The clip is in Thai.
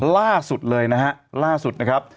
ล่าสุดเลยนะฮะล่าสุดนะครับ